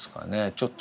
ちょっと。